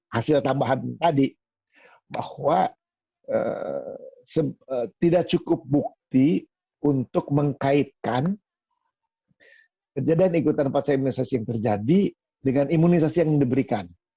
hasil tambahan tadi bahwa tidak cukup bukti untuk mengkaitkan kejadian ikutan pasca imunisasi yang terjadi dengan imunisasi yang diberikan